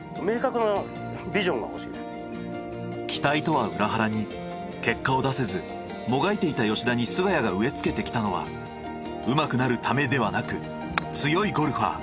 期待とは裏腹に結果を出せずもがいていた吉田に菅谷が植えつけてきたのはうまくなるためではなく強いゴルファー。